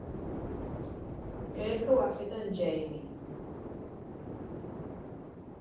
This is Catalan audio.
Crec que ho ha fet en Jamie.